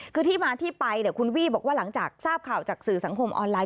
คือที่มาที่ไปคุณวี่บอกว่าหลังจากทราบข่าวจากสื่อสังคมออนไลน